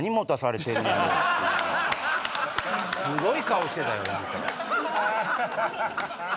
すごい顔してたよ何か。